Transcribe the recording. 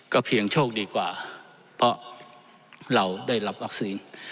เพียงโชคดีกว่าเพราะเราได้รับวัคซีน